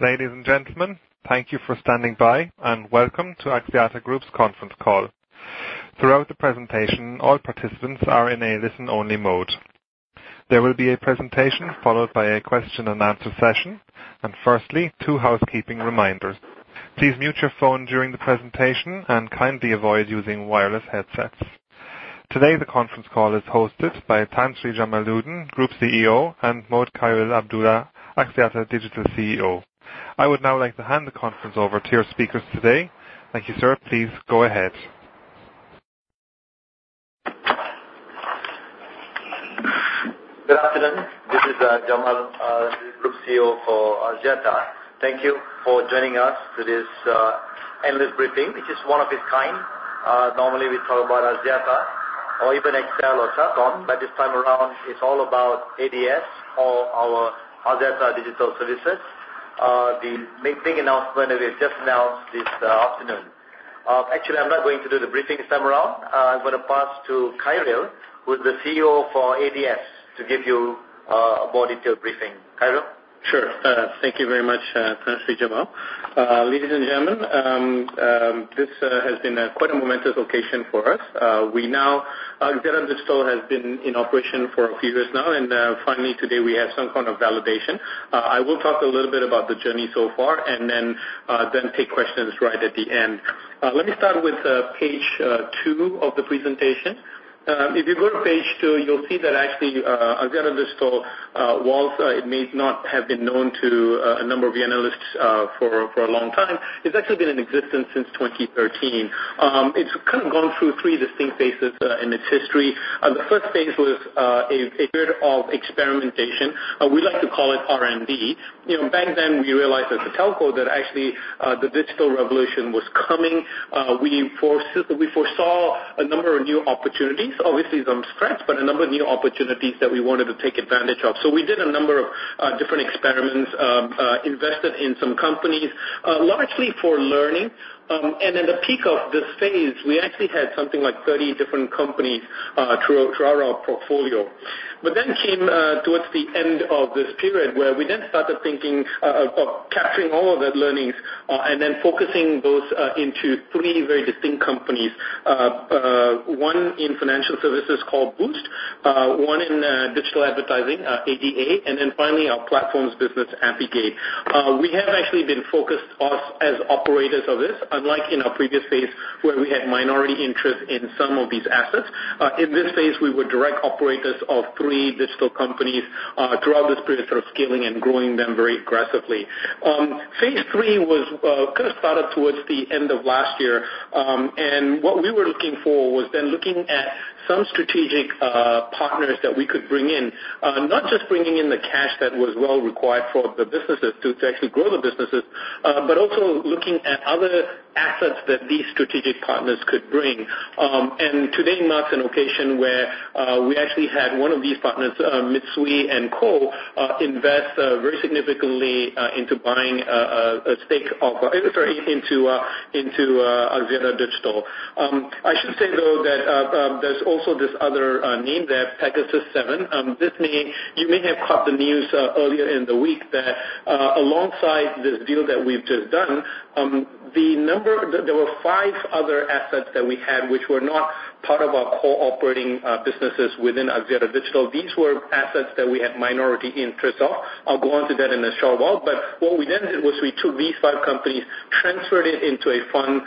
Ladies and gentlemen, thank you for standing by. Welcome to Axiata Group's conference call. Throughout the presentation, all participants are in a listen-only mode. There will be a presentation followed by a question and answer session. Firstly, two housekeeping reminders. Please mute your phone during the presentation and kindly avoid using wireless headsets. Today, the conference call is hosted by Tan Sri Jamaludin, Group CEO, and Mohd Khairil Abdullah, Axiata Digital CEO. I would now like to hand the conference over to your speakers today. Thank you, sir. Please go ahead. Good afternoon. This is Jamal, Group CEO for Axiata. Thank you for joining us to this analyst briefing, which is one of its kind. Normally, we talk about Axiata or even XL or Celcom, but this time around, it's all about ADS or our Axiata Digital Services. The big announcement that we've just announced this afternoon. I'm not going to do the briefing this time around. I'm going to pass to Khairil, who's the CEO for ADS, to give you a more detailed briefing. Khairil? Sure. Thank you very much, Tan Sri Jamal. Ladies and gentlemen, this has been quite a momentous occasion for us. Axiata Digital has been in operation for a few years now. Finally, today, we have some kind of validation. I will talk a little bit about the journey so far. Then take questions right at the end. Let me start with page two of the presentation. If you go to page two, you will see that actually, Axiata Digital, whilst it may not have been known to a number of analysts for a long time, it's actually been in existence since 2013. It's gone through three distinct phases in its history. The first phase was a period of experimentation. We like to call it R&D. Back then, we realized as a telco that actually, the digital revolution was coming. We foresaw a number of new opportunities, obviously some threats, but a number of new opportunities that we wanted to take advantage of. We did a number of different experiments, invested in some companies, largely for learning. At the peak of this phase, we actually had something like 30 different companies throughout our portfolio. Came towards the end of this period, where we then started thinking of capturing all of that learnings, then focusing those into three very distinct companies. One in financial services called Boost, one in digital advertising, ADA. Finally, our platforms business, Apigate. We have actually been focused as operators of this, unlike in our previous phase, where we had minority interest in some of these assets. In this phase, we were direct operators of three digital companies throughout this period, scaling and growing them very aggressively. Phase 3 started towards the end of last year, what we were looking for was looking at some strategic partners that we could bring in. Not just bringing in the cash that was required for the businesses to actually grow the businesses, but also looking at other assets that these strategic partners could bring. Today marks an occasion where we actually had one of these partners, Mitsui & Co, invest very significantly into buying a stake into Axiata Digital. I should say, though, that there's also this other name there, Pegasus 7. You may have caught the news earlier in the week that alongside this deal that we've just done, there were five other assets that we had, which were not part of our core operating businesses within Axiata Digital. These were assets that we had minority interests of. I'll go on to that in a short while, what we did was we took these five companies, transferred it into a fund,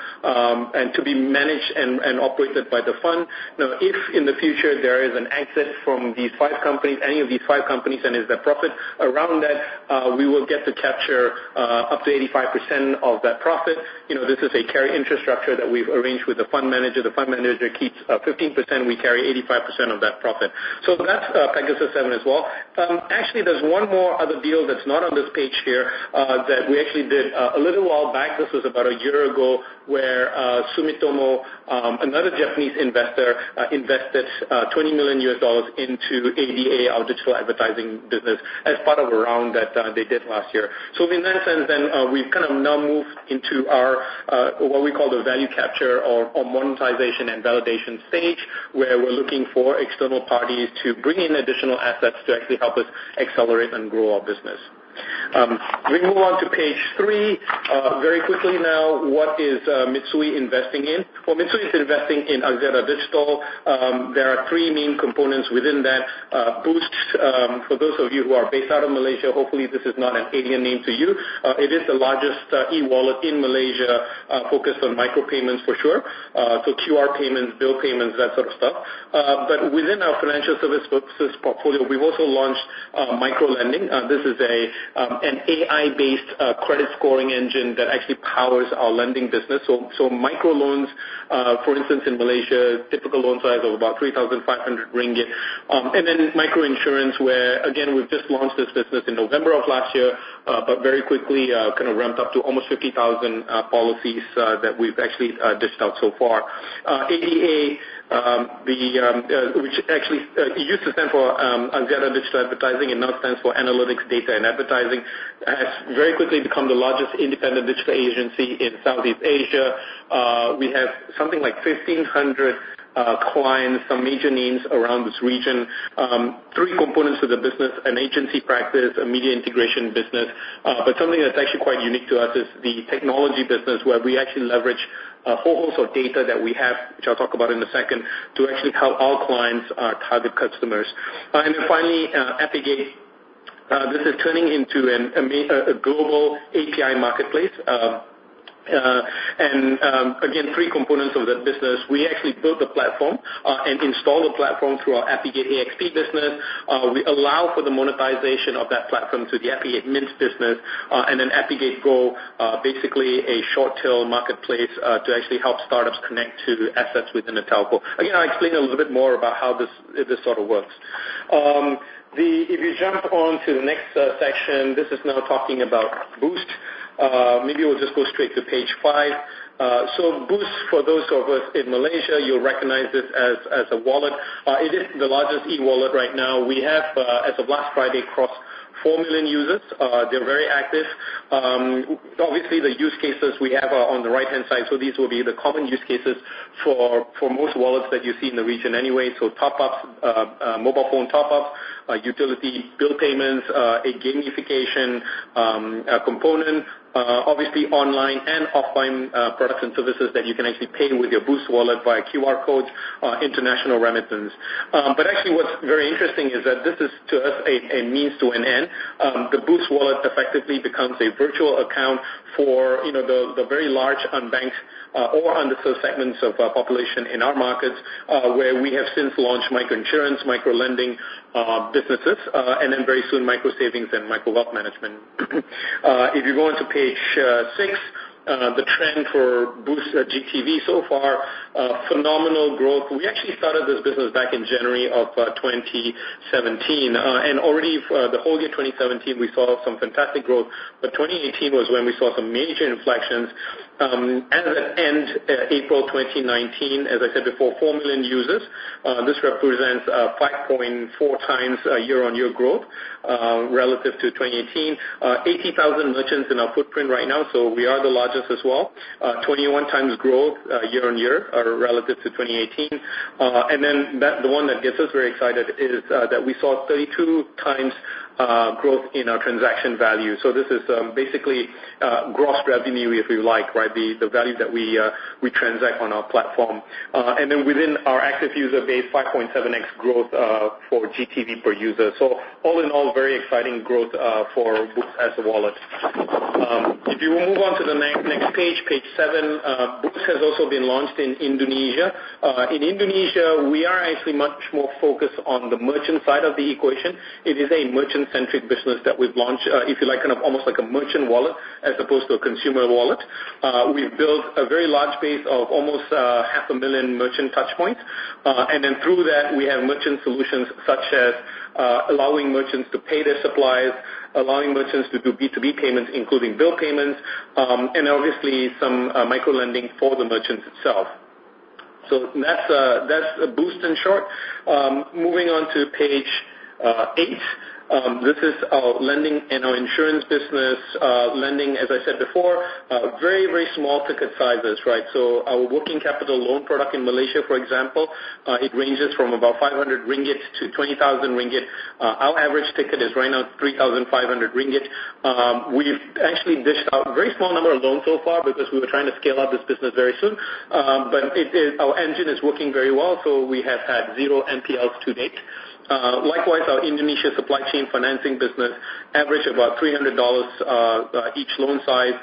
to be managed and operated by the fund. Now, if in the future there is an exit from these five companies, any of these five companies, and there's a profit around that, we will get to capture up to 85% of that profit. This is a carry interest structure that we've arranged with the fund manager. The fund manager keeps 15%, we carry 85% of that profit. That's Pegasus 7 as well. Actually, there's one more other deal that's not on this page here that we actually did a little while back. This was about a year ago, where Sumitomo, another Japanese investor, invested $20 million into ADA, our digital advertising business, as part of a round that they did last year. In that sense, we've now moved into our what we call the value capture or monetization and validation stage, where we're looking for external parties to bring in additional assets to actually help us accelerate and grow our business. We move on to page three. Very quickly now, what is Mitsui investing in? Mitsui is investing in Axiata Digital. There are three main components within that. Boost, for those of you who are based out of Malaysia, hopefully this is not an alien name to you. It is the largest e-wallet in Malaysia, focused on micro payments for sure. QR payments, bill payments, that sort of stuff. Within our financial services portfolio, we've also launched micro-lending. This is an AI-based credit scoring engine that actually powers our lending business. Microloans, for instance, in Malaysia, typical loan size of about 3,500 ringgit. Micro-insurance, where again, we've just launched this business in November of last year, very quickly ramped up to almost 50,000 policies that we've actually dished out so far. ADA, which actually used to stand for Axiata Digital Advertising and now stands for analytics, data, and advertising, has very quickly become the largest independent digital agency in Southeast Asia. We have something like 1,500 clients, some major names around this region. Three components to the business, an agency practice, a media integration business. Something that's actually quite unique to us is the technology business, where we actually leverage a whole host of data that we have, which I'll talk about in a second, to actually help our clients target customers. Finally, Apigate. This is turning into a global API marketplace. Again, three components of that business. We actually built the platform and install the platform through our apigateAXP business. We allow for the monetization of that platform through the apigateMint business, and then apigateGo, basically a short tail marketplace to actually help startups connect to assets within a telco. Again, I'll explain a little bit more about how this sort of works. If you jump onto the next section, this is now talking about Boost. Maybe we'll just go straight to page five. Boost, for those of us in Malaysia, you'll recognize this as a wallet. It is the largest e-wallet right now. We have, as of last Friday, crossed 4 million users. They're very active. Obviously, the use cases we have are on the right-hand side, so these will be the common use cases for most wallets that you see in the region anyway. Mobile phone top-ups, utility bill payments, a gamification component, obviously online and offline products and services that you can actually pay with your Boost wallet via QR codes, international remittance. Actually, what's very interesting is that this is, to us, a means to an end. The Boost wallet effectively becomes a virtual account for the very large unbanked or underserved segments of population in our markets, where we have since launched microinsurance, microlending businesses, and then very soon, microsavings and microwealth management. If you go on to page six, the trend for Boost GTV so far, phenomenal growth. We actually started this business back in January of 2017. Already for the whole year 2017, we saw some fantastic growth. 2018 was when we saw some major inflections. As at end April 2019, as I said before, 4 million users. This represents 5.4x year-on-year growth relative to 2018. 80,000 merchants in our footprint right now, so we are the largest as well. 21x growth year-on-year relative to 2018. The one that gets us very excited is that we saw 32x growth in our transaction value. This is basically gross revenue, if you like, the value that we transact on our platform. Within our active user base, 5.7x growth for GTV per user. All in all, very exciting growth for Boost as a wallet. If you move on to the next page seven, Boost has also been launched in Indonesia. In Indonesia, we are actually much more focused on the merchant side of the equation. It is a merchant-centric business that we've launched, if you like, almost like a merchant wallet as opposed to a consumer wallet. We've built a very large base of almost half a million merchant touch points. Through that, we have merchant solutions such as allowing merchants to pay their suppliers, allowing merchants to do B2B payments, including bill payments, and obviously some microlending for the merchants itself. That's Boost in short. Moving on to page eight. This is our lending and our insurance business. Lending, as I said before, very small ticket sizes. Our working capital loan product in Malaysia, for example, it ranges from about 500 ringgit to 20,000 ringgit. Our average ticket is right now 3,500 ringgit. We've actually dished out a very small number of loans so far because we were trying to scale up this business very soon. Our engine is working very well, so we have had zero NPLs to date. Likewise, our Indonesia supply chain financing business average about $300 each loan size.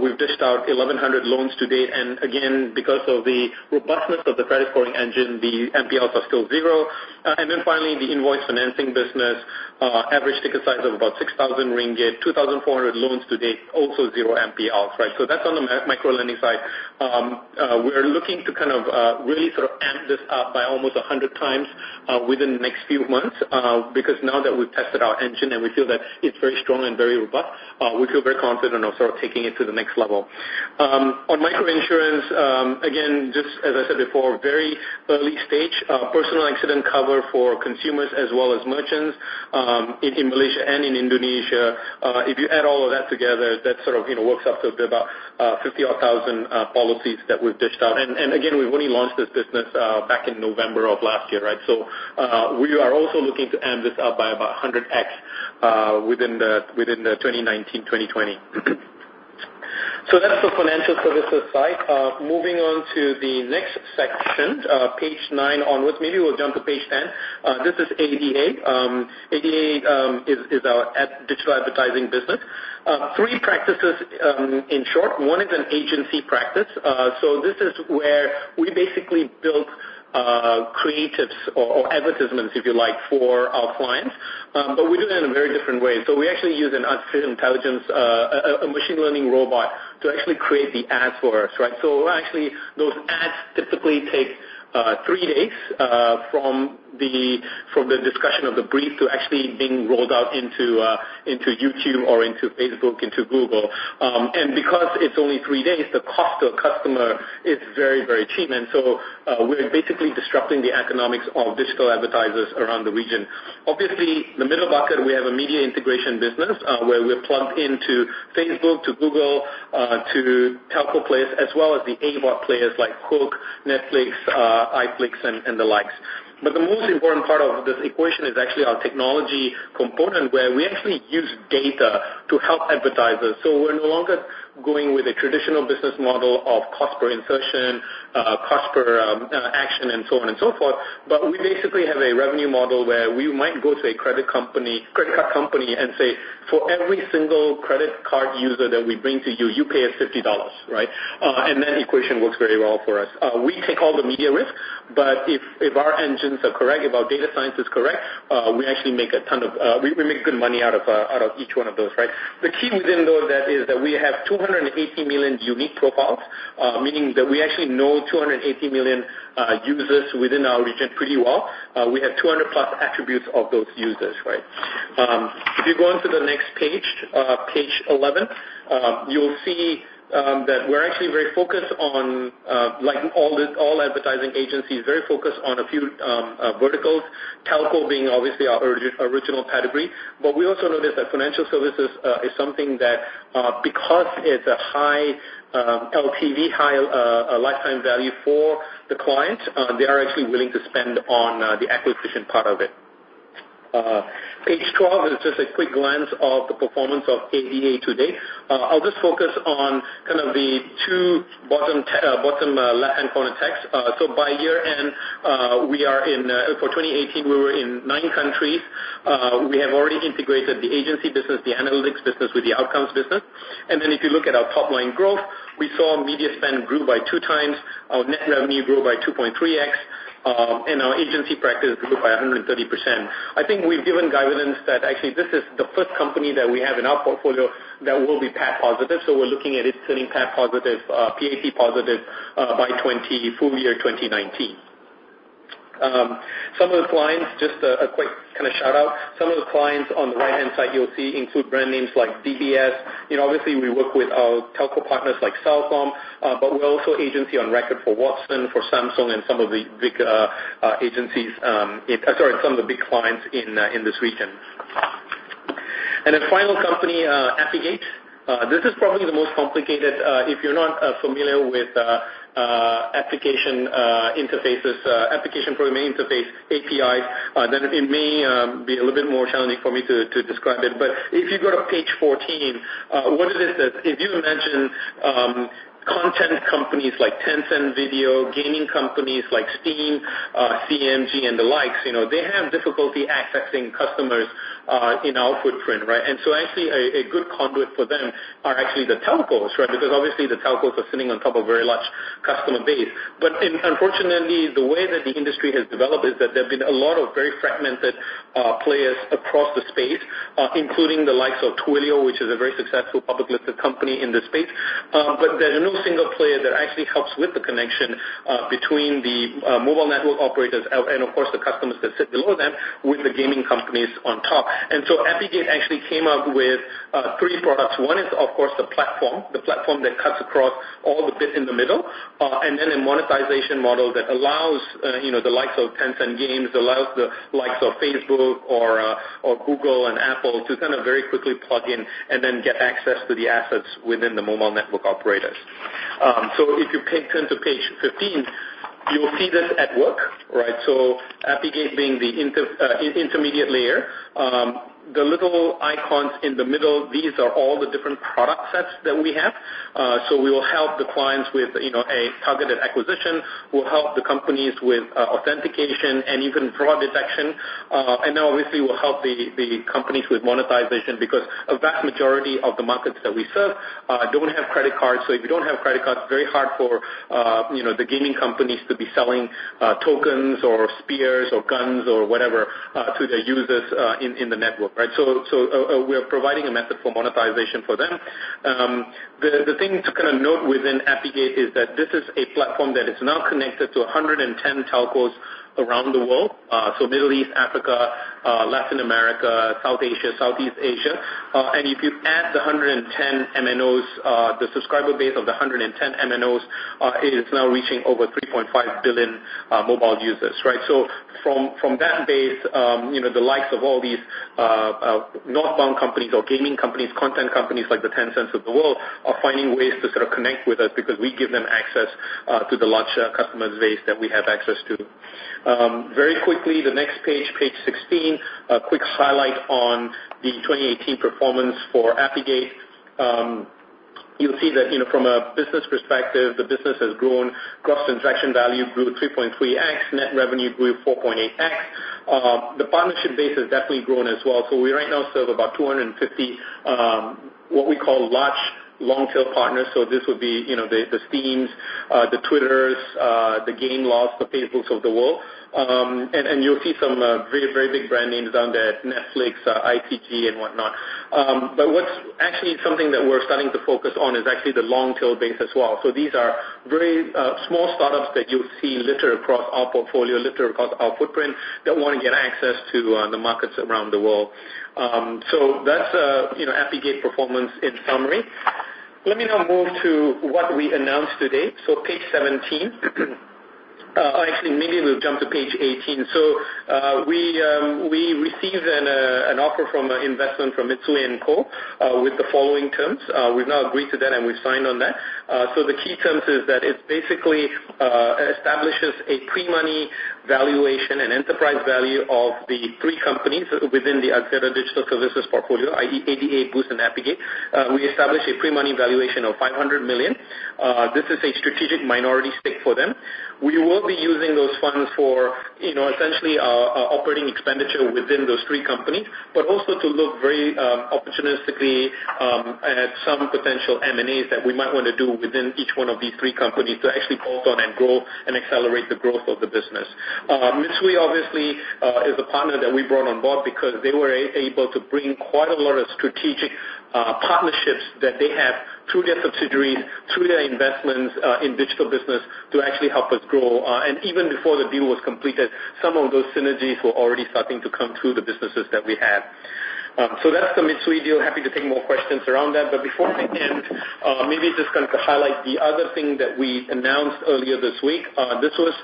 We've dished out 1,100 loans to date, again, because of the robustness of the credit scoring engine, the NPLs are still zero. Finally, the invoice financing business, average ticket size of about 6,000 ringgit, 2,400 loans to date, also zero NPLs. That's on the microlending side. We're looking to really amp this up by almost 100 times within the next few months, because now that we've tested our engine and we feel that it's very strong and very robust, we feel very confident of taking it to the next level. On microinsurance, again, just as I said before, very early stage. Personal accident cover for consumers as well as merchants in Malaysia and in Indonesia. If you add all of that together, that works out to be about 50,000 policies that we've dished out. Again, we've only launched this business back in November of last year. We are also looking to amp this up by about 100x within 2019, 2020. That's the financial services side. Moving on to the next section, page nine onwards. Maybe we'll jump to page 10. This is ADA. ADA is our digital advertising business. Three practices in short. One is an agency practice. This is where we basically build creatives or advertisements, if you like, for our clients. We do that in a very different way. We actually use an artificial intelligence, a machine learning robot, to actually create the ads for us. Actually, those ads typically take three days from the discussion of the brief to actually being rolled out into YouTube or into Facebook, into Google. Because it's only three days, the cost to a customer is very cheap. We're basically disrupting the economics of digital advertisers around the region. Obviously, the middle bucket, we have a media integration business, where we're plugged into Facebook, to Google, to telco players, as well as the AVOD players like HOOQ, Netflix, iflix, and the likes. The most important part of this equation is actually our technology component, where we actually use data to help advertisers. We're no longer going with a traditional business model of cost per insertion, cost per action, and so on and so forth. We basically have a revenue model where we might go to a credit card company and say, "For every single credit card user that we bring to you pay us $50." Right? That equation works very well for us. We take all the media risk, but if our engines are correct, if our data science is correct, we actually make good money out of each one of those. The key within that is that we have 280 million unique profiles, meaning that we actually know 280 million users within our region pretty well. We have 200+ attributes of those users. If you go on to the next page 11, you'll see that like all advertising agencies, very focused on a few verticals, telco being obviously our original pedigree. We also noticed that financial services is something that, because it's a high LTV, lifetime value, for the client, they are actually willing to spend on the acquisition part of it. Page 12 is just a quick glance of the performance of ADA today. I'll just focus on kind of the two bottom left-hand corner text. By year-end for 2018, we were in nine countries. We have already integrated the agency business, the analytics business with the outcomes business. If you look at our top-line growth, we saw media spend grew by two times, our net revenue grew by 2.3x, and our agency practice grew by 130%. I think we've given guidance that actually this is the first company that we have in our portfolio that will be PAT positive. We're looking at it turning PAT positive by full year 2019. Some of the clients, just a quick kind of shout-out. Some of the clients on the right-hand side you'll see include brand names like DBS. Obviously, we work with our telco partners like Celcom, but we're also agency on record for Watsons, for Samsung and some of the big clients in this region. The final company, Apigate. This is probably the most complicated. If you're not familiar with application programming interface, APIs, then it may be a little bit more challenging for me to describe it. If you go to page 14, what it is if you mention content companies like Tencent Video, gaming companies like Steam, CMG and the likes, they have difficulty accessing customers in our footprint. Actually, a good conduit for them are actually the telcos. Obviously the telcos are sitting on top of a very large customer base. Unfortunately, the way that the industry has developed is that there have been a lot of very fragmented players across the space, including the likes of Twilio, which is a very successful public-listed company in this space. There's no single player that actually helps with the connection between the mobile network operators and, of course, the customers that sit below them with the gaming companies on top. Apigate actually came up with three products. One is, of course, the platform. The platform that cuts across all the bit in the middle. A monetization model that allows the likes of Tencent games, allows the likes of Facebook or Google and Apple to kind of very quickly plug in and then get access to the assets within the mobile network operators. If you turn to page 15, you will see this at work. Apigate being the intermediate layer. The little icons in the middle, these are all the different product sets that we have. We will help the clients with a targeted acquisition. We'll help the companies with authentication and even fraud detection. Obviously, we'll help the companies with monetization, because a vast majority of the markets that we serve don't have credit cards. If you don't have credit cards, it's very hard for the gaming companies to be selling tokens or spears or guns or whatever to their users in the network. We're providing a method for monetization for them. The thing to kind of note within Apigate is that this is a platform that is now connected to 110 telcos around the world. Middle East, Africa, Latin America, South Asia, Southeast Asia. If you add the 110 MNOs, the subscriber base of the 110 MNOs is now reaching over 3.5 billion mobile users. From that base, the likes of all these northbound companies or gaming companies, content companies like the Tencents of the world, are finding ways to sort of connect with us because we give them access to the larger customer base that we have access to. Very quickly, the next page 16, a quick highlight on the 2018 performance for Apigate. You'll see that from a business perspective, the business has grown. Gross transaction value grew 3.3x, net revenue grew 4.8x. The partnership base has definitely grown as well. We right now serve about 250, what we call large long-tail partners. This would be the Steams, the Twitters, the Gameloft, the Facebooks of the world. You'll see some very big brand names down there, Netflix, ITG and whatnot. What's actually something that we're starting to focus on is actually the long-tail base as well. These are very small startups that you'll see littered across our portfolio, littered across our footprint, that want to get access to the markets around the world. That's Apigate performance in summary. Let me now move to what we announced today. Page 17. Actually, maybe we'll jump to page 18. We received an offer from an investment from Mitsui & Co. with the following terms. We've now agreed to that, and we've signed on that. The key terms is that it basically establishes a pre-money valuation and enterprise value of the three companies within the Axiata Digital Services portfolio, i.e. ADA, Boost, and Apigate. We established a pre-money valuation of $500 million. This is a strategic minority stake for them. We will be using those funds for essentially operating expenditure within those three companies, but also to look very opportunistically at some potential M&As that we might want to do within each one of these three companies to actually bolt on and grow and accelerate the growth of the business. Mitsui obviously is a partner that we brought on board because they were able to bring quite a lot of strategic partnerships that they have through their subsidiaries, through their investments in digital business to actually help us grow. Even before the deal was completed, some of those synergies were already starting to come through the businesses that we have. That's the Mitsui deal. Happy to take more questions around that. Before we end, maybe just to highlight the other thing that we announced earlier this week. This was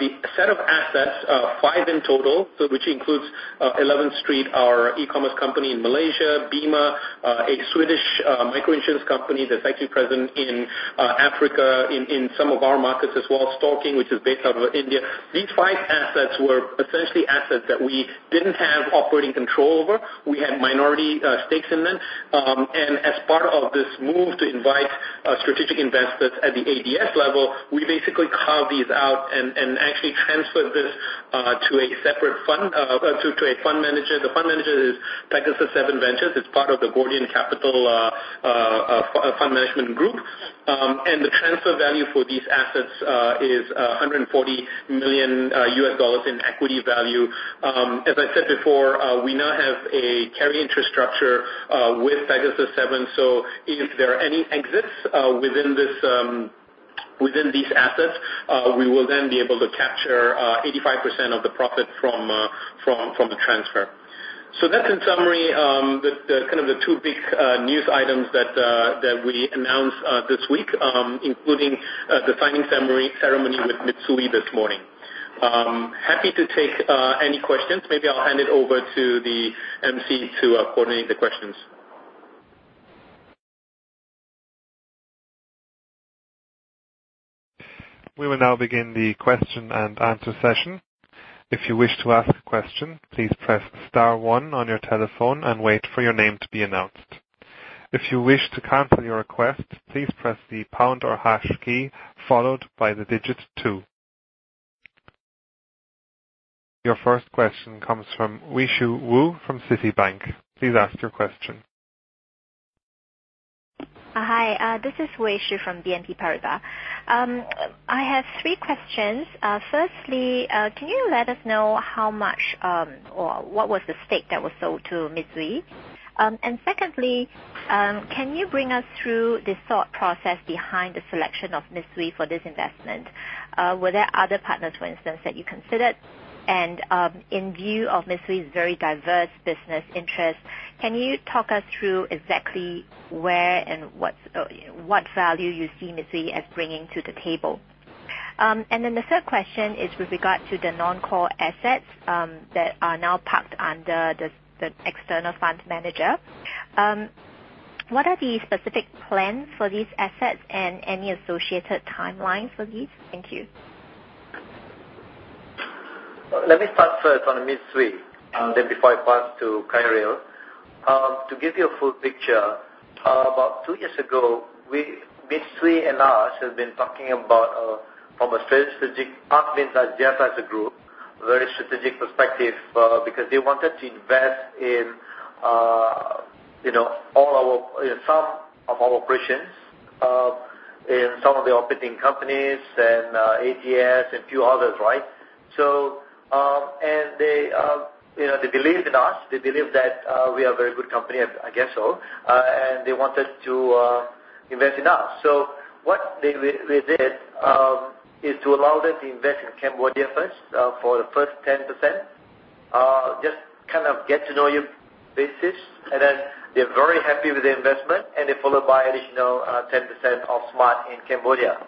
the set of assets, five in total, which includes 11street, our e-commerce company in Malaysia, BIMA, a Swedish micro-insurance company that's actually present in Africa, in some of our markets as well. StoreKing, which is based out of India. These five assets were essentially assets that we didn't have operating control over. We had minority stakes in them. As part of this move to invite strategic investors at the ADS level, we basically carved these out and actually transferred this to a fund manager. The fund manager is Pegasus 7 Ventures. It's part of the Gordian Capital Fund Management Group. The transfer value for these assets is MYR 140 million in equity value. As I said before, we now have a carry interest structure with Pegasus 7, if there are any exits within these assets, we will then be able to capture 85% of the profit from the transfer. That's in summary, the two big news items that we announced this week, including the signing ceremony with Mitsui this morning. Happy to take any questions. Maybe I'll hand it over to the emcee to coordinate the questions. We will now begin the question and answer session. If you wish to ask a question, please press star one on your telephone and wait for your name to be announced. If you wish to cancel your request, please press the pound or hash key, followed by the digit two. Your first question comes from Wei Shi Wu from Citibank. Please ask your question. Hi, this is Wei Shi from BNP Paribas. I have three questions. Firstly, can you let us know how much, or what was the stake that was sold to Mitsui? Secondly, can you bring us through the thought process behind the selection of Mitsui for this investment? Were there other partners, for instance, that you considered? In view of Mitsui's very diverse business interests, can you talk us through exactly where and what value you see Mitsui as bringing to the table? The third question is with regard to the non-core assets that are now parked under the external fund manager. What are the specific plans for these assets and any associated timelines for these? Thank you. Let me start first on Mitsui, then before I pass to Khairil. To give you a full picture, about two years ago, Mitsui and us have been talking about, from a strategic partner with Axiata as a group, very strategic perspective, because they wanted to invest in some of our operations, in some of the operating companies and ADS and few others. They believed in us. They believe that we are a very good company. I guess so. They wanted to invest in us. What we did is to allow them to invest in Cambodia first for the first 10%, just to get-to-know-you basis. They're very happy with the investment, and they followed by additional 10% of Smart in Cambodia.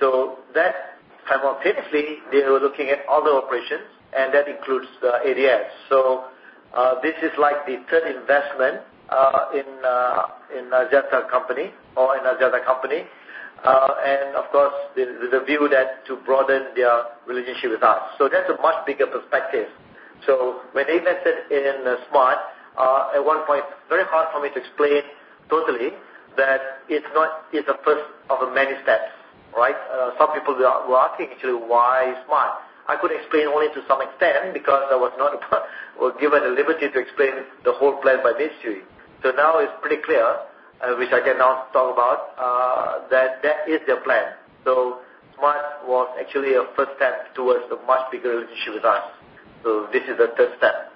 That time, obviously, they were looking at other operations, and that includes ADS. This is like the third investment in Axiata or in other company. Of course, the view that to broaden their relationship with us. That's a much bigger perspective. When they invested in Smart, at one point, very hard for me to explain totally that it is a first of many steps. Some people were asking, actually, why Smart? I could explain only to some extent because I was not given the liberty to explain the whole plan by Mitsui. Now it is pretty clear, which I can now talk about, that that is their plan. Smart was actually a first step towards a much bigger relationship with us. This is the third step.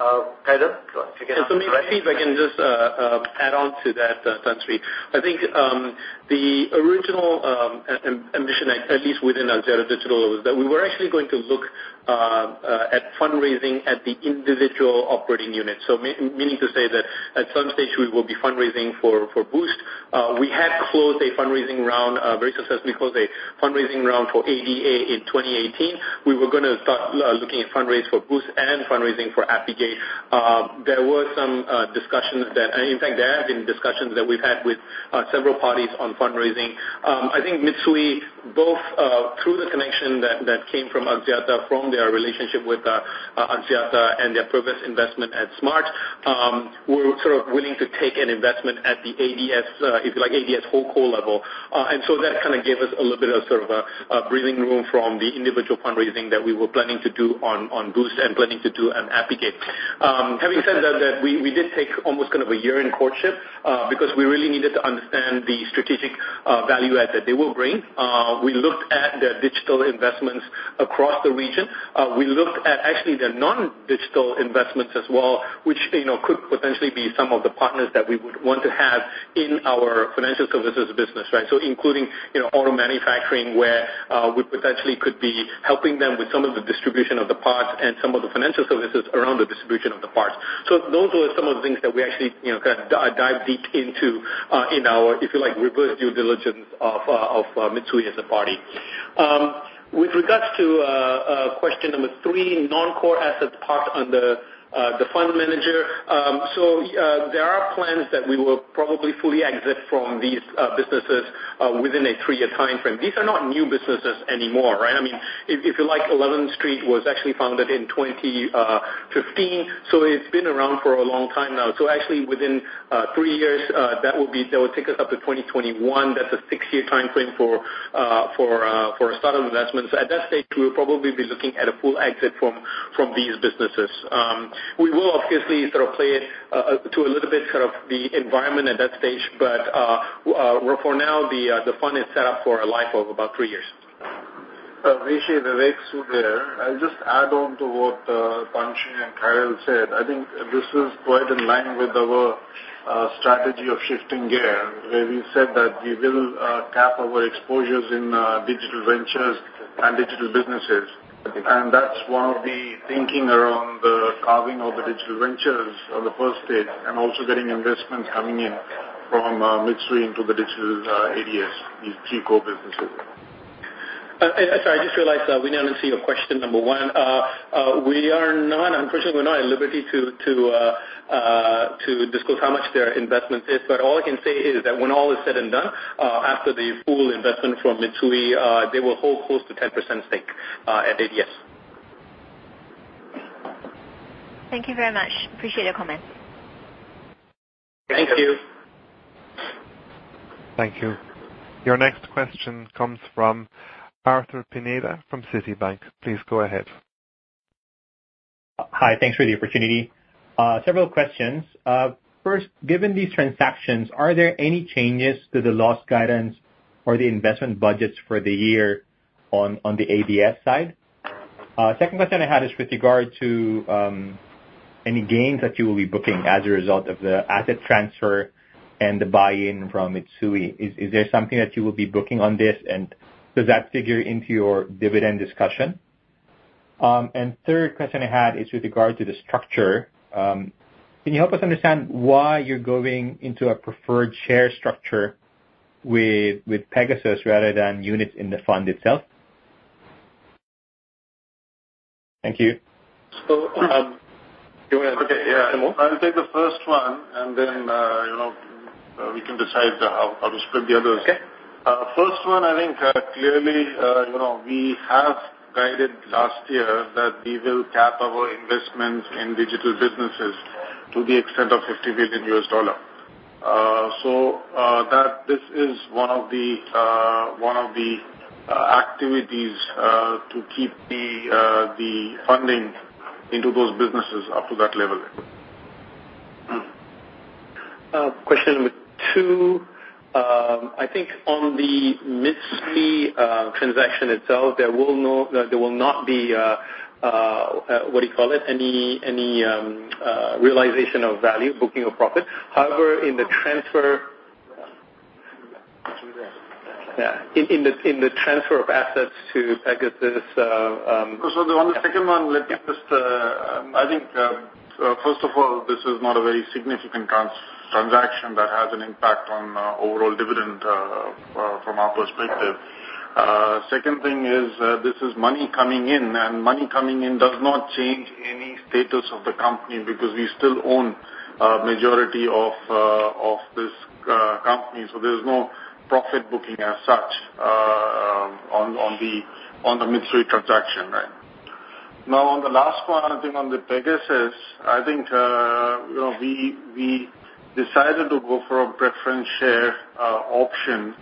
Maybe if I can just add on to that, Tan Sri. I think the original ambition, at least within Axiata Digital, was that we were actually going to look at fundraising at the individual operating units. Meaning to say that at some stage we will be fundraising for Boost. We had closed a fundraising round, very successfully closed a fundraising round for ADA in 2018. We were going to start looking at fundraise for Boost and fundraising for Apigate. There were some discussions that, in fact, there have been discussions we have had with several parties on fundraising. I think Mitsui, both through the connection that came from Axiata, from their relationship with Axiata and their previous investment at Smart, were sort of willing to take an investment at the ADS, if you like, ADS whole-core level. That kind of gave us a little bit of sort of a breathing room from the individual fundraising that we were planning to do on Boost and planning to do on Apigate. Having said that, we did take almost kind of a year in courtship, because we really needed to understand the strategic value-add that they will bring. We looked at their digital investments across the region. We looked at actually their non-digital investments as well, which could potentially be some of the partners that we would want to have in our financial services business, right? Including auto manufacturing, where we potentially could be helping them with some of the distribution of the parts and some of the financial services around the distribution of the parts. Those were some of the things that we actually dived deep into, in our, if you like, reverse due diligence of Mitsui as a party. With regards to question number three, non-core assets parked under the fund manager. There are plans that we will probably fully exit from these businesses within a three-year timeframe. These are not new businesses anymore, right? I mean, if you like, 11street was actually founded in 2015, so it has been around for a long time now. Actually within three years, that would take us up to 2021. That's a six-year timeframe for startup investments. At that stage, we will probably be looking at a full exit from these businesses. We will obviously sort of play it to a little bit sort of the environment at that stage. But for now, the fund is set up for a life of about three years. Weishu, Vivek Sood here. I'll just add on to what Tan Sri and Khairil said. I think this is quite in line with our strategy of shifting gear, where we said that we will cap our exposures in digital ventures and digital businesses. That's one of the thinking around the carving of the digital ventures on the first stage, and also getting investments coming in from Mitsui into the digital ADS, these key core businesses. Sorry, I just realized we now didn't see your question number one. Unfortunately, we're not at liberty to disclose how much their investment is, but all I can say is that when all is said and done, after the full investment from Mitsui, they will hold close to 10% stake at ADS. Thank you very much. Appreciate your comments. Thank you. Thank you. Your next question comes from Arthur Pineda from Citibank. Please go ahead. Hi. Thanks for the opportunity. Several questions. First, given these transactions, are there any changes to the loss guidance or the investment budgets for the year on the ADS side? Second question I had is with regard to any gains that you will be booking as a result of the asset transfer and the buy-in from Mitsui. Is there something that you will be booking on this, and does that figure into your dividend discussion? Third question I had is with regard to the structure. Can you help us understand why you're going into a preferred share structure with Pegasus rather than units in the fund itself? Thank you. Do you want to take it, Jamal? Yeah. I'll take the first one and then we can decide how to split the others. Okay. First one, I think clearly we have guided last year that we will cap our investments in digital businesses to the extent of $50 billion. This is one of the activities to keep the funding into those businesses up to that level. Question number two. I think on the Mitsui transaction itself, there will not be, what do you call it? Any realization of value, booking of profit. However, in the transfer of assets to Pegasus On the second one, let me just I think, first of all, this is not a very significant transaction that has an impact on overall dividend from our perspective. Second thing is, this is money coming in, and money coming in does not change any status of the company because we still own a majority of this company, so there's no profit booking as such on the Mitsui transaction, right? Now on the last one, I think on the Pegasus, I think we decided to go for a preference share option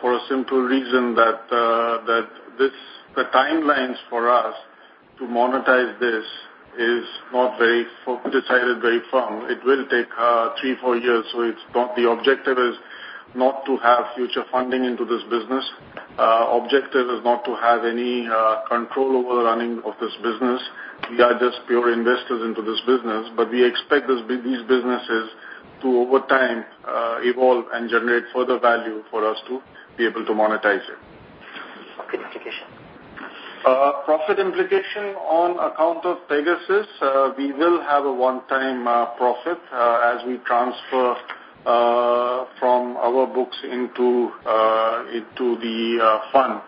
for a simple reason that the timelines for us to monetize this is not decided very firm. It will take three, four years. The objective is not to have future funding into this business. Our objective is not to have any control over the running of this business. We are just pure investors into this business, but we expect these businesses to, over time, evolve and generate further value for us to be able to monetize it. Profit implication. Profit implication on account of Pegasus, we will have a one-time profit as we transfer from our books into the fund.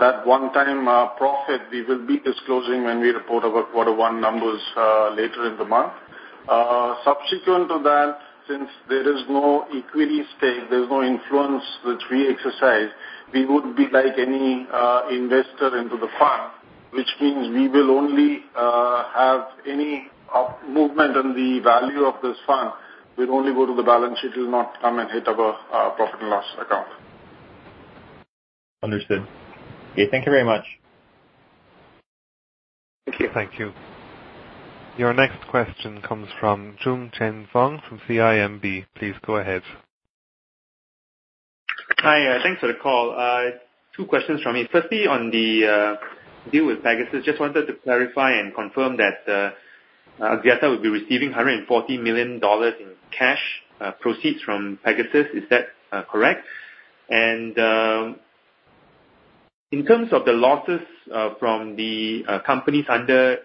That one-time profit, we will be disclosing when we report our quarter 1 numbers later in the month. Subsequent to that, since there is no equity stake, there's no influence which we exercise, we would be like any investor into the fund, which means we will only have any movement on the value of this fund. We'd only go to the balance sheet, it will not come and hit our profit and loss account. Understood. Okay, thank you very much. Thank you. Thank you. Your next question comes from Foong Choong Chen from CIMB. Please go ahead. Hi. Thanks for the call. Two questions from me. Firstly, on the deal with Pegasus, just wanted to clarify and confirm that Axiata will be receiving $140 million in cash proceeds from Pegasus. Is that correct? In terms of the losses from the companies under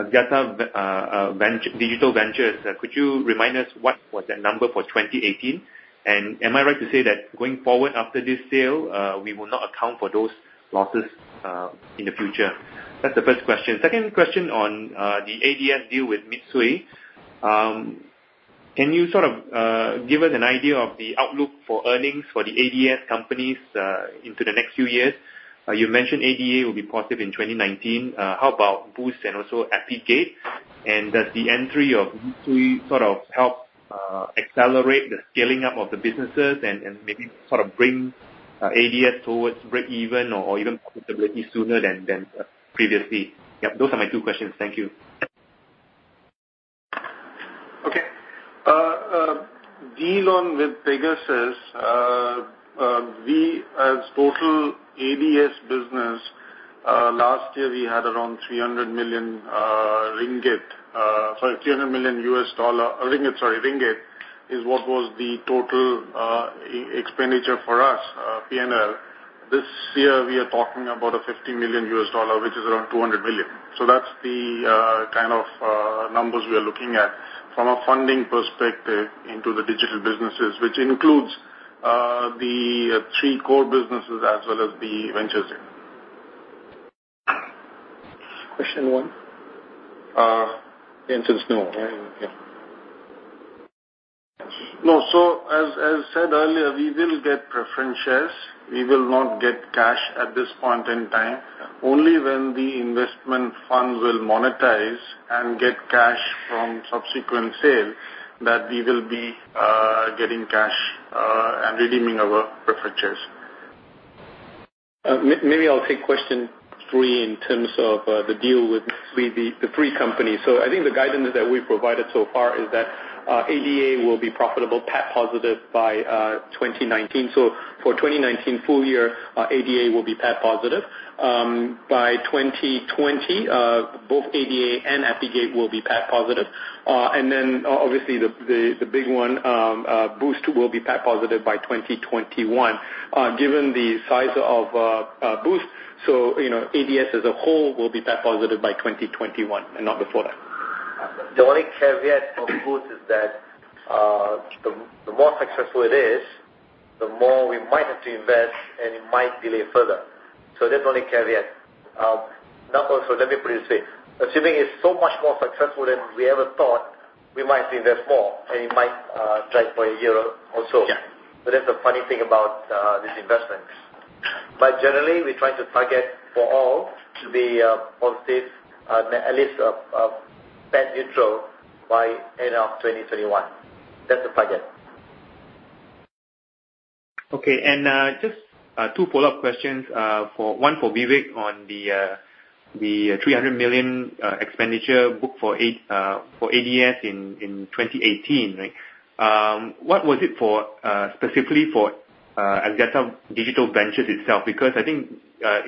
Axiata Digital Ventures, could you remind us what was that number for 2018? Am I right to say that going forward after this sale, we will not account for those losses in the future? That's the first question. Second question on the ADS deal with Mitsui. Can you give us an idea of the outlook for earnings for the ADS companies into the next few years? You mentioned ADA will be positive in 2019. How about Boost and also Apigate? Does the entry of Mitsui help accelerate the scaling up of the businesses and maybe bring ADS towards breakeven or even profitability sooner than previously? Yep. Those are my two questions. Thank you. Okay. Deal with Pegasus. We as total ADS business, last year we had around 300 million ringgit is what was the total expenditure for us, P&L. This year we are talking about a $50 million, which is around MYR 200 million. That's the kind of numbers we are looking at from a funding perspective into the digital businesses, which includes the three core businesses as well as the ventures. Question one. The answer is no. No. As said earlier, we will get preference shares. We will not get cash at this point in time. Only when the investment funds will monetize and get cash from subsequent sale, that we will be getting cash and redeeming our preference shares. Maybe I'll take question three in terms of the deal with the three companies. I think the guidance that we've provided so far is that ADA will be profitable, PAT positive by 2019. For 2019 full year, ADA will be PAT positive. By 2020, both ADA and Apigate will be PAT positive. Obviously the big one, Boost will be PAT positive by 2021. Given the size of Boost, ADS as a whole will be PAT positive by 2021 and not before that. The only caveat for Boost is that the more successful it is, the more we might have to invest, and it might delay further. That's the only caveat. Now also, let me put it this way. Assuming it's so much more successful than we ever thought, we might invest more, and it might drag for a year also. Yeah. That's the funny thing about these investments. Generally, we're trying to target for all to be positive, at least PAT neutral by end of 2021. That's the target. Okay. Just two follow-up questions. One for Vivek on the 300 million expenditure book for ADS in 2018. What was it specifically for Axiata Digital Ventures itself? I think,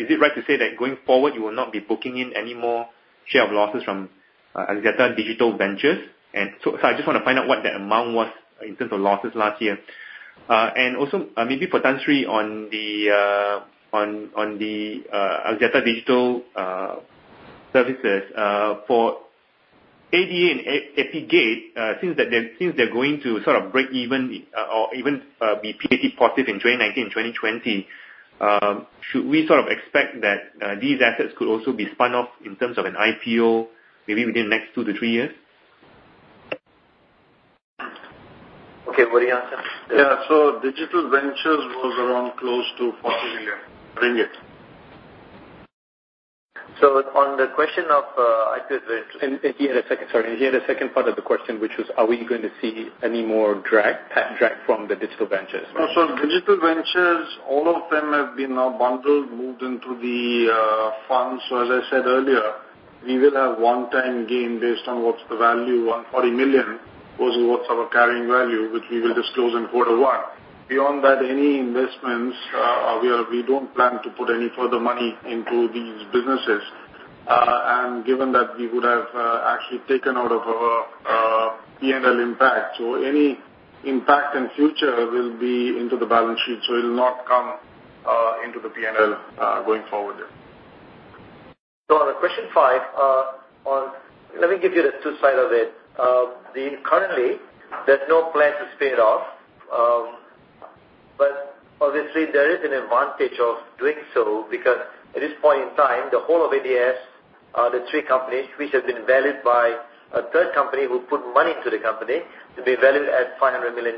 is it right to say that going forward you will not be booking in any more share of losses from Axiata Digital Ventures? I just want to find out what that amount was in terms of losses last year. Also, maybe for Tan Sri on the Axiata Digital Services. For ADA and Apigate, since they're going to breakeven or even be PAT positive in 2019, 2020, should we expect that these assets could also be spun off in terms of an IPO maybe within next two to three years? Okay. What do you answer? Yeah. Digital Ventures was around close to 40 million ringgit. On the question of IPO, Vivek. He had a second part of the question which was, are we going to see any more drag from the Axiata Digital Ventures? Axiata Digital Ventures, all of them have been now bundled, moved into the fund. As I said earlier. We will have one-time gain based on what's the value, 140 million, versus what's our carrying value, which we will disclose in quarter one. Beyond that, any investments, we don't plan to put any further money into these businesses. Given that we would have actually taken out of our P&L impact. Any impact in future will be into the balance sheet, so it will not come into the P&L, going forward. On question five, let me give you the two side of it. Currently, there's no plan to spin off. Obviously there is an advantage of doing so because at this point in time, the whole of ADS, the three companies, which have been valued by a third company who put money into the company, to be valued at MYR 500 million.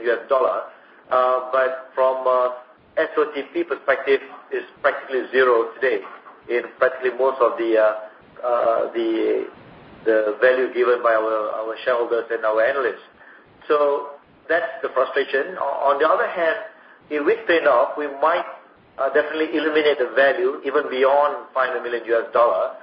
From a SOTP perspective, it's practically zero today in practically most of the value given by our shareholders and our analysts. That's the frustration. On the other hand, if we spin off, we might definitely eliminate the value even beyond $500 million. The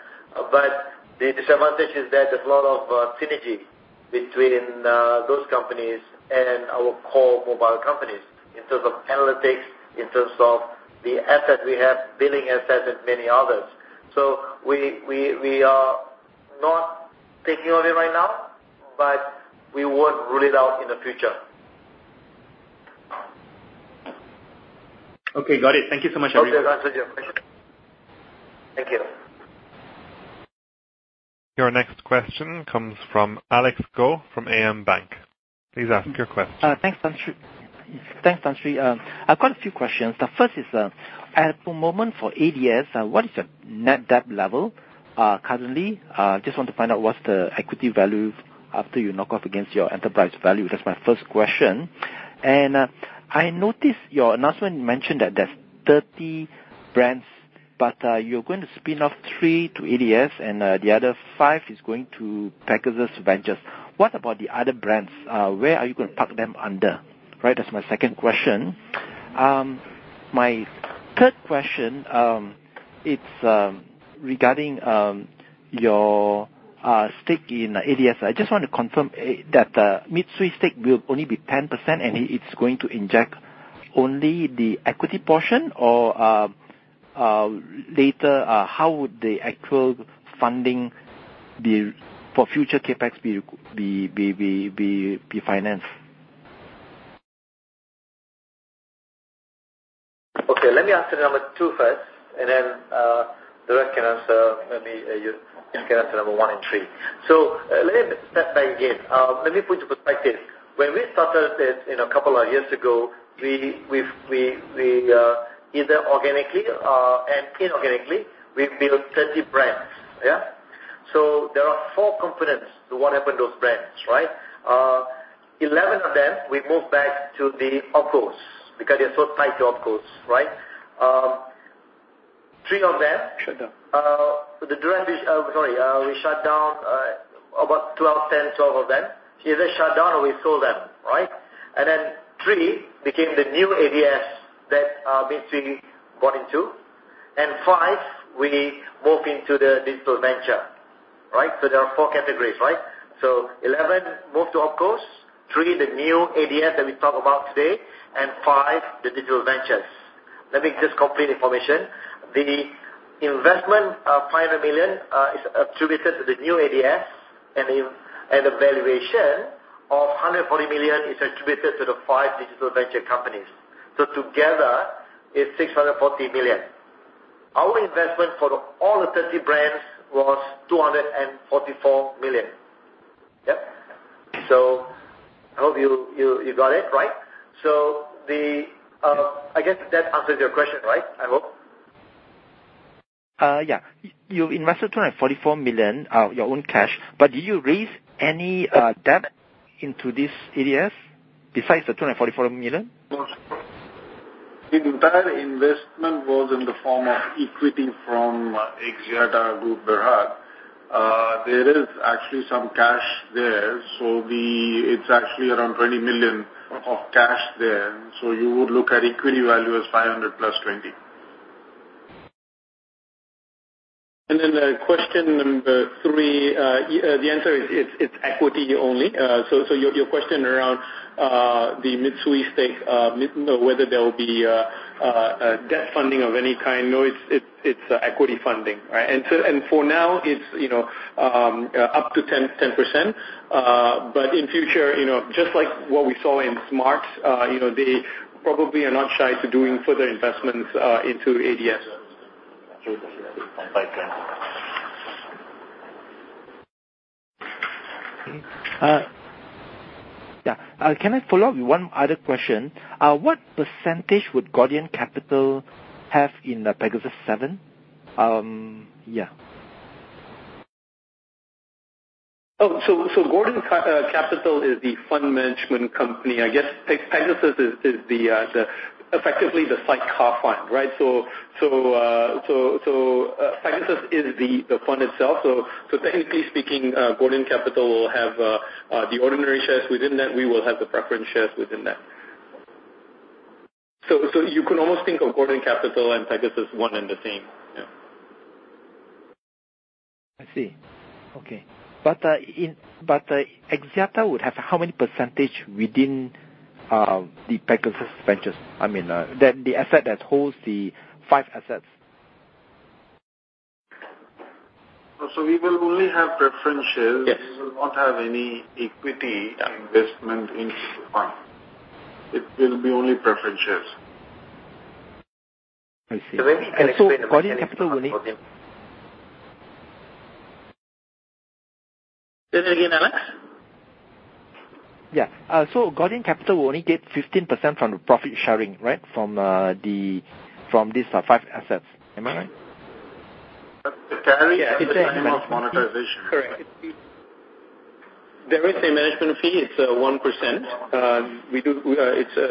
disadvantage is that there's a lot of synergy between those companies and our core mobile companies in terms of analytics, in terms of the asset we have, billing assets, and many others. We are not thinking of it right now, but we won't rule it out in the future. Okay, got it. Thank you so much. Okay. Thank you. Thank you. Your next question comes from Alex Goh from AmBank. Please ask your question. Thanks, Tan Sri. I've got a few questions. The first is, at the moment for ADS, what is the net debt level currently? I just want to find out what's the equity value after you knock off against your enterprise value. That's my first question. I noticed your announcement mentioned that there's 30 brands, but you're going to spin off three to ADS and the other five is going to Pegasus Ventures. What about the other brands? Where are you going to park them under? That's my second question. My third question, it's regarding your stake in ADS. I just want to confirm that Mitsui stake will only be 10% and it's going to inject only the equity portion or later, how would the actual funding for future CapEx be financed? Let me answer number two first, then the rest can answer number one and three. Let me step back again. Let me put you into context. When we started this a couple of years ago, either organically and inorganically, we built 30 brands. There are four components to what happened to those brands. 11 of them, we moved back to the OpCos because they're so tied to OpCos. Three of them- Shut down. Sorry. We shut down about 12, 10, 12 of them. Either shut down or we sold them. Then three became the new ADS that Mitsui bought into, and five we moved into the digital venture. There are four categories. 11 moved to OpCos, three the new ADS that we talk about today, and five the digital ventures. Let me just complete information. The investment of $500 million is attributed to the new ADS and the valuation of $140 million is attributed to the five digital venture companies. Together it's $640 million. Our investment for all the 30 brands was $244 million. I hope you got it. I guess that answers your question, I hope. Yeah. You invested $244 million of your own cash, did you raise any debt into this ADS besides the $244 million? The entire investment was in the form of equity from Axiata Group Berhad. There is actually some cash there. It's actually around $20 million of cash there. You would look at equity value as $500 plus $20. Question number three, the answer is it's equity only. Your question around the Mitsui stake, whether there will be debt funding of any kind, no, it's equity funding. For now it's up to 10%, but in future, just like what we saw in Smart, they probably are not shy to doing further investments into ADS. On 5G. Can I follow up with one other question? What percentage would Gordian Capital have in Pegasus 7? Gordian Capital is the fund management company. I guess Pegasus is effectively the sidecar fund. Pegasus is the fund itself. Technically speaking, Gordian Capital will have the ordinary shares within that. We will have the preference shares within that. You can almost think of Gordian Capital and Pegasus one and the same. I see. Okay. Axiata would have how many percentage within the Pegasus Ventures? I mean, the asset that holds the five assets. We will only have preference shares. Yes. We will not have any equity investment in the fund. It will be only preference shares. I see. Maybe you can explain. Gordian Capital will only. Say that again, Alex? Yeah. Gordian Capital will only get 15% from the profit sharing, right? From these five assets. Am I right? The carry at the time of monetization. Correct. There is a management fee. It's 1%.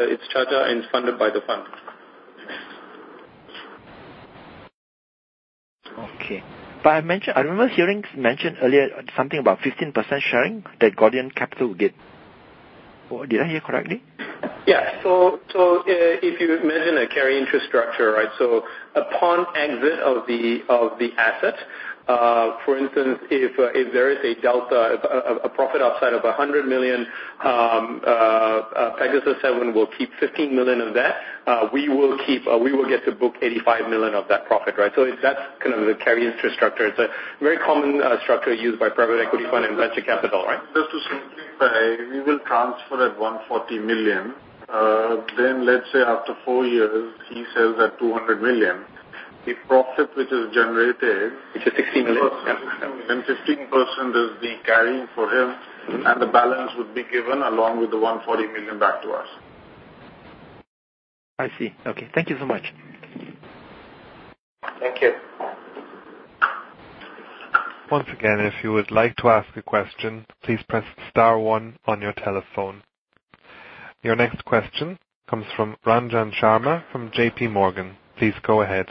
It's charged and funded by the fund. Okay. I remember hearing mentioned earlier something about 15% sharing that Gordian Capital will get. Did I hear correctly? Yeah. If you imagine a carry interest structure, right? Upon exit of the asset, for instance, if there is a delta, a profit upside of 100 million, Pegasus 7 will keep 15 million of that. We will get to book 85 million of that profit, right? That's the carry interest structure. It's a very common structure used by private equity fund and venture capital, right? Just to simplify, we will transfer that 140 million. Let's say after four years, he sells at 200 million. The profit which is generated- is 16 million. 16% is the carrying for him, and the balance would be given along with the 140 million back to us. I see. Okay. Thank you so much. Thank you. Once again, if you would like to ask a question, please press star one on your telephone. Your next question comes from Ranjan Sharma from JPMorgan. Please go ahead.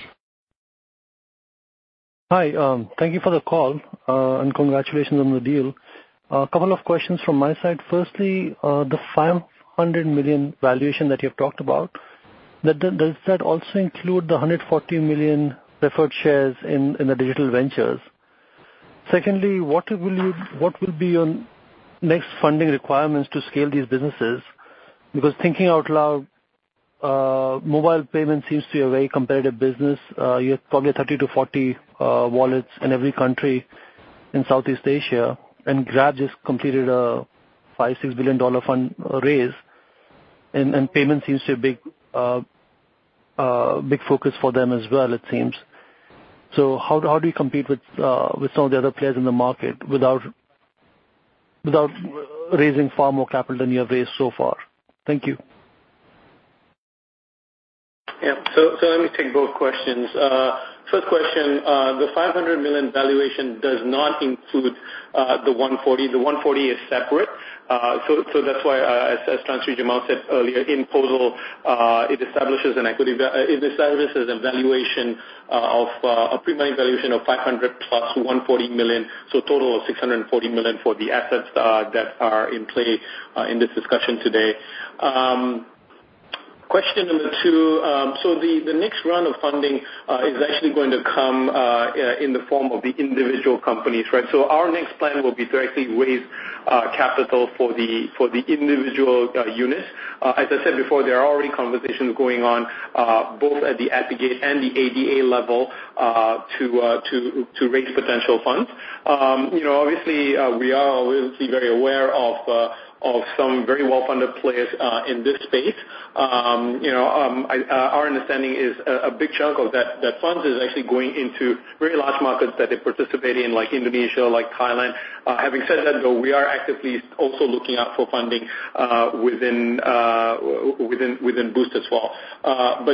Hi, thank you for the call, and congratulations on the deal. A couple of questions from my side. Firstly, the $500 million valuation that you've talked about, does that also include the $140 million preferred shares in the Digital Ventures? Secondly, what will be your next funding requirements to scale these businesses? Thinking out loud, mobile payment seems to be a very competitive business. You have probably 30 to 40 wallets in every country in Southeast Asia, and Grab just completed a $5 billion-$6 billion fund raise, and payment seems to be a big focus for them as well, it seems. How do you compete with some of the other players in the market without raising far more capital than you have raised so far? Thank you. Let me take both questions. First question, the $500 million valuation does not include the $140. The $140 is separate. That's why, as Tan Sri Jamal said earlier, in total, it establishes a valuation, a pre-money valuation of $500 plus $140 million, so a total of $640 million for the assets that are in play in this discussion today. Question number two, the next round of funding is actually going to come in the form of the individual companies, right? Our next plan will be to actually raise capital for the individual units. As I said before, there are already conversations going on, both at the Apigate and the ADA level, to raise potential funds. Obviously, we are very aware of some very well-funded players in this space. Our understanding is a big chunk of that fund is actually going into very large markets that they participate in, like Indonesia, like Thailand. Having said that, though, we are actively also looking out for funding within Boost as well.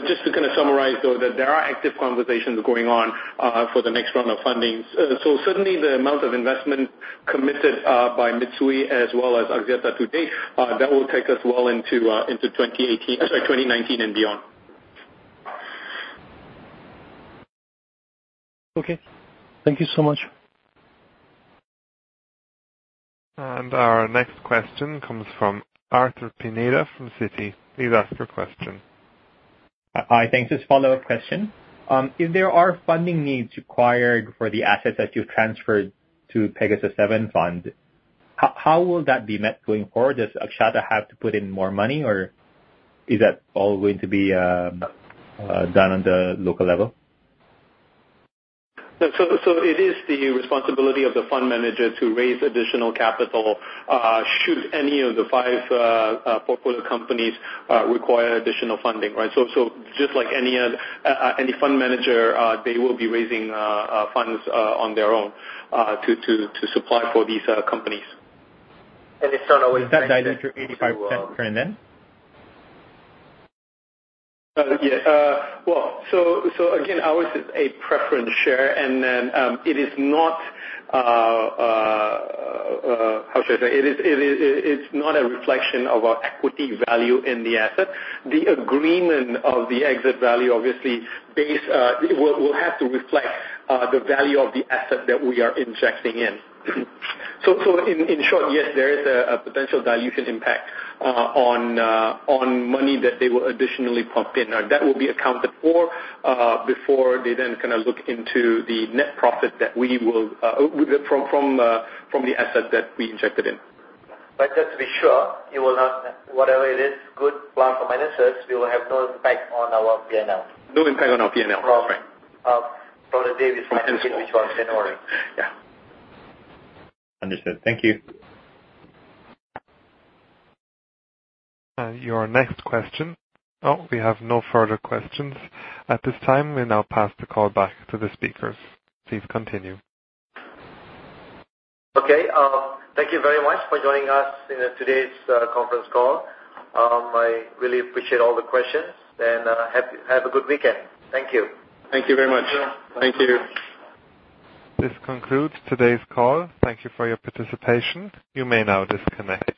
Just to summarize, though, that there are active conversations going on for the next round of funding. Certainly the amount of investment committed by Mitsui as well as Axiata to date, that will take us well into 2019 and beyond. Okay. Thank you so much. Our next question comes from Arthur Pineda from Citi. Please ask your question. Hi, thanks. Just a follow-up question. If there are funding needs required for the assets that you've transferred to Pegasus 7 Fund, how will that be met going forward? Does Axiata have to put in more money, or is that all going to be done on the local level? It is the responsibility of the fund manager to raise additional capital should any of the five portfolio companies require additional funding, right? Just like any fund manager, they will be raising funds on their own to supply for these companies. Is that dilutive? Again, ours is a preference share, it is not, how should I say? It is not a reflection of our equity value in the asset. The agreement of the exit value, obviously, will have to reflect the value of the asset that we are injecting in. In short, yes, there is a potential dilution impact on money that they will additionally pump in. That will be accounted for before they look into the net profit from the asset that we injected in. Just to be sure, whatever it is, good plus or minuses, we will have no impact on our P&L. No impact on our P&L. From the day we finalize which was January. Yeah. Understood. Thank you. Your next question. Oh, we have no further questions. At this time, we now pass the call back to the speakers. Please continue. Okay. Thank you very much for joining us in today's conference call. I really appreciate all the questions, and have a good weekend. Thank you. Thank you very much. Thank you. This concludes today's call. Thank you for your participation. You may now disconnect.